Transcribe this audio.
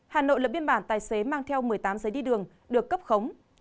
hà nội lập biên bản tài xế mang theo một mươi tám giấy đi đường được cấp khống